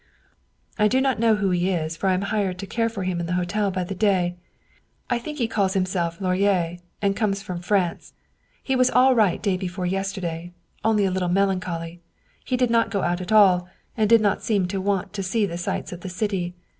" I do not know who he is, for I am hired to care for him in the hotel by the day. I think he calls himself Lorier, and comes from France. He was all right day before yes terday, only a little melancholy. He did not go out at all, and did not seem to want to see the sights of the city.